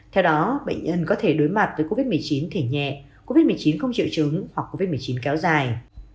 theo đó bệnh nhân có thể đối mặt với covid một mươi chín thể nhẹ covid một mươi chín không triệu chứng hoặc covid một mươi chín kéo dài